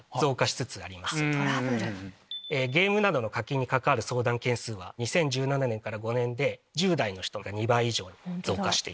ゲームなどの課金に関わる相談件数は２０１７年から５年で１０代が２倍以上に増加している。